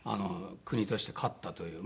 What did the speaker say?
国として勝ったという。